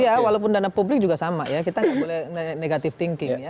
iya walaupun dana publik juga sama ya kita nggak boleh negative thinking ya